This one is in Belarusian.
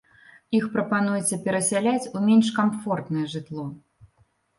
Іх прапануецца перасяляць у менш камфортнае жытло.